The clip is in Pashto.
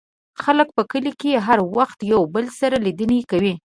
خلک په کلي کې هر وخت یو بل سره لیدنې کوي.